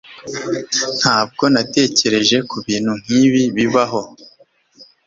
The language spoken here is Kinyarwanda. ntabwo natekereje kubintu nkibi bibaho